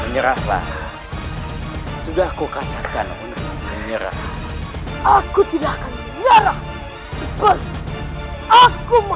menyeraplah sudah aku katakan menyerah aku tidak akan bergerak aku menghabisimu